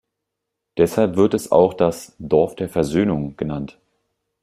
Deshalb wird es auch das "Dorf der Versöhnung" genannt.